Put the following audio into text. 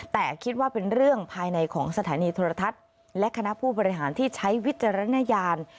แต่คิดว่าเป็นเรื่องภายในของสถานีโทรทัศน์และคณะผู้บริหารที่ใช้วิจารณญาณ